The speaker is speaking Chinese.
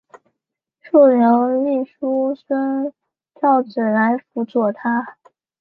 竖牛立叔孙昭子来辅佐他。